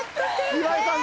岩井さん